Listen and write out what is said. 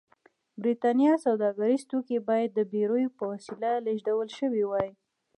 برېټانیا سوداګریز توکي باید د بېړیو په وسیله لېږدول شوي وای.